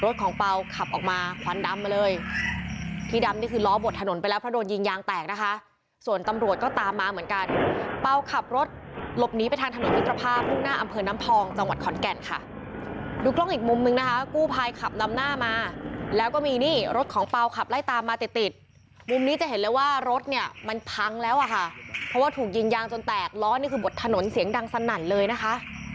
ตามมาเหมือนกันเป้าขับรถหลบหนีไปทางถนนมิตรภาพภูมิหน้าอำเภอน้ำพองจังหวัดขอนแก่นค่ะดูกล้องอีกมุมมึงนะคะกู้พายขับดำหน้ามาแล้วก็มีนี่รถของเปาขับไล่ตามมาติดติดมุมนี้จะเห็นแล้วว่ารถเนี่ยมันพังแล้วอ่ะค่ะเพราะว่าถูกยิงยางจนแตกล้อนนี่คือบทถนนเสียงดังสันนเลยนะคะ